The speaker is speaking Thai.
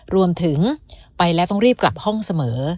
รวมถึงไปแล้วต้องรีบกลับห้องเสมอ